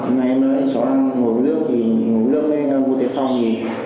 ngày hôm nay cháu đang ngồi bước nước ngồi bước nước lên vô tế phòng